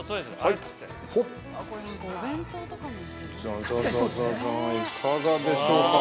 いかがでしょうか。